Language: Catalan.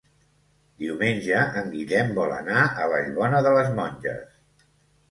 Diumenge en Guillem vol anar a Vallbona de les Monges.